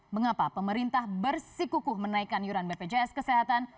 mengapa pemerintah bersikukuh menaikan yuran bpjs kesehatan